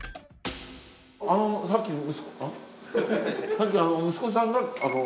あのさっきの息子ん？